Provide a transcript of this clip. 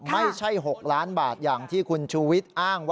ไม่ใช่๖ล้านบาทอย่างที่คุณชูวิทย์อ้างว่า